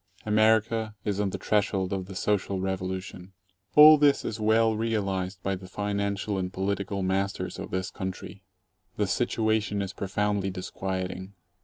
America is on the threshold of the Social Revolution. All this is well realized by the financial and political masters of this country. The situation is profoundly disquieting.